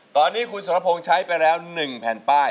ตอนนี้คุณสรพงศ์ใช้ไปแล้ว๑แผ่นป้าย